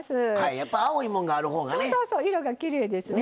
やっぱ青いもんがある方がね。